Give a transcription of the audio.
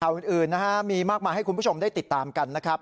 อื่นนะฮะมีมากมายให้คุณผู้ชมได้ติดตามกันนะครับ